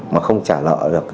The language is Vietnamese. mà không trả lợ